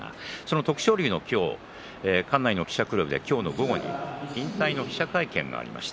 徳勝龍、今日館内の記者クラブで午後に引退の記者会見がありました。